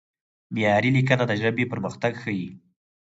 معیاري لیکنه د ژبې پرمختګ ښيي.